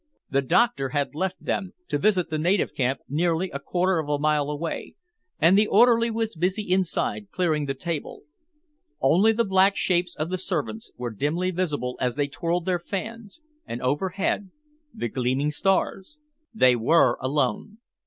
The doctor had left them to visit the native camp nearly a quarter of a mile away, and the orderly was busy inside, clearing the table. Only the black shapes of the servants were dimly visible as they twirled their fans, and overhead the gleaming stars. They were alone.